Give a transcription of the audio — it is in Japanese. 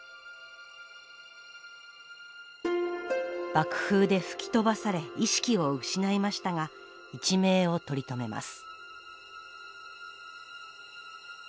爆風で吹き飛ばされ意識を失いましたが一命を取り留めます。